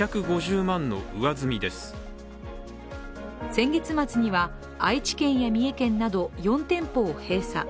先月末には愛知県や三重県など４店舗を閉鎖。